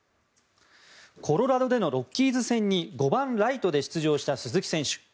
コロラドでのロッキーズ戦に５番、ライトで出場した鈴木選手。